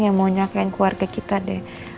yang mau nyakain keluarga kita deh